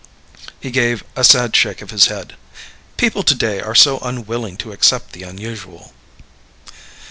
He gave a sad shake of his head. "People today are so unwilling to accept the unusual."